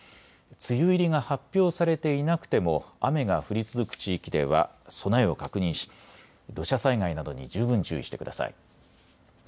梅雨入りが発表されていなくても雨が降り続く地域では備えを確認し、土砂災害などに十分注意してください。